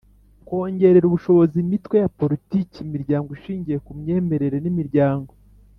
Kongerera ubushobozi imitwe ya politiki imiryango ishingiye ku myemerere n imiryango